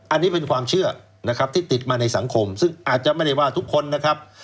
อันนี้เป็นความเชื่อนะครับที่ติดมาในสังคมซึ่งอาจจะไม่ได้ว่าทุกคนนะครับ